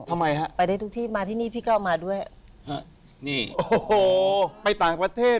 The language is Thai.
ทำไมฮะไปได้ทุกที่มาที่นี่พี่ก็เอามาด้วยฮะนี่โอ้โหไปต่างประเทศ